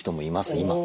今。